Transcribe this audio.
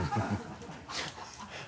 ハハハ